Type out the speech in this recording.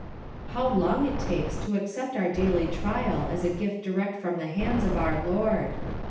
How long it takes to accept our daily trial as a gift direct from the hands of our Lord